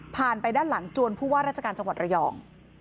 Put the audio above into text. ไปด้านหลังจวนผู้ว่าราชการจังหวัดระยอง